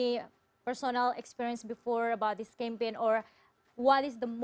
atau apa perasaan yang paling emosional yang pernah anda rasakan saat berusaha